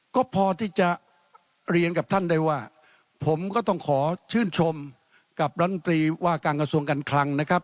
ก็พอที่จะเรียนกับท่านได้ว่าผมก็ต้องขอชื่นชมกับรันตรีว่าการกระทรวงการคลังนะครับ